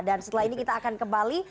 dan setelah ini kita akan kembali